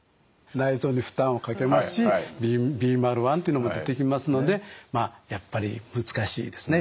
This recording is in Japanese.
内臓に負担をかけますしビーマル１というのも出てきますのでまあやっぱり難しいですね。